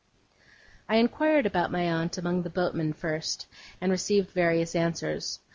I inquired about my aunt among the boatmen first, and received various answers.